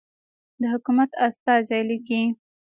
د حکومت استازی لیکي.